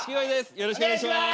よろしくお願いします。